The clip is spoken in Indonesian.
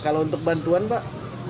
kalau untuk bantuan pak